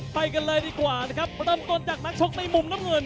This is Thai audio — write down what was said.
ไปกันเลยดีกว่านะครับเริ่มต้นจากนักชกในมุมน้ำเงิน